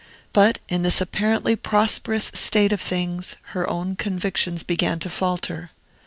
But, in this apparently prosperous state of things, her own convictions began to falter.